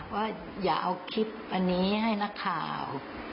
ว่าอย่าเอาคลิปอันนี้ให้นักข่าว